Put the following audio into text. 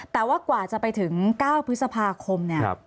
แต่ว่ากว่าจะไปถึง๙พฤษภาคมเนี่ย